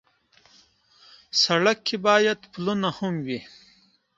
سړک کې باید پلونه هم وي.